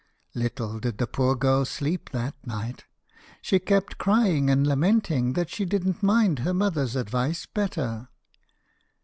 Little did the poor girl sleep that night. She kept crying and lamenting that she didn't mind her mother's advice better.